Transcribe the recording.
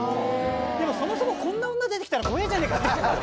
でもそもそもこんな女出てきたら怖えぇじゃねえかって。